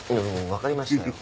わかりましたよ。